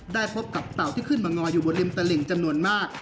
พบกับเต่าที่ขึ้นมางออยู่บนริมตลิ่งจำนวนมาก